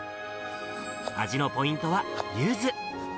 味のポイントはユズ。